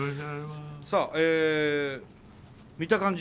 さあ見た感じ